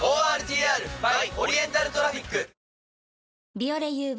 「ビオレＵＶ」